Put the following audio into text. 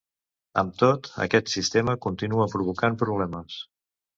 Amb tot, aquest sistema continua provocant problemes.